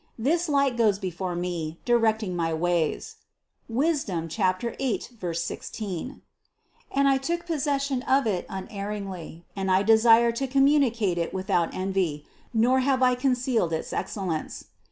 This light goes before me, directing my ways (Wis. 8, 16) and I took possession of it unerringly, and I desired to communicate it without envy, nor have I concealed its excellence.